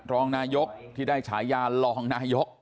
รองนายกที่ได้ฉายารองนายก